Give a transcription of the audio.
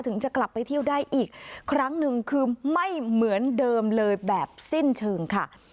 จะกลับไปเที่ยวได้อีกครั้งหนึ่งคือไม่เหมือนเดิมเลยแบบสิ้นเชิงค่ะ